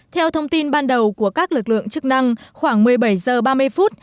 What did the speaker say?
theo thông tin ban đầu của các lực lượng chức năng khoảng một mươi bảy h ba mươi phút